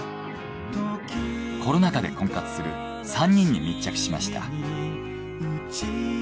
コロナ禍で婚活する３人に密着しました。